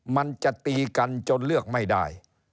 มันจะตีกันจนเลือกไม่ได้